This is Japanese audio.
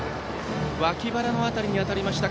脇腹の辺りに当たりました。